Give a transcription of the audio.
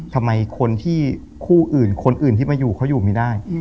ทำไมคนที่คู่อื่นคนอื่นที่มาอยู่เขาอยู่ไม่ได้